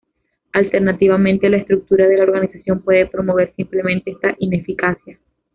Alternativamente, la estructura de la organización puede promover simplemente esta ineficacia.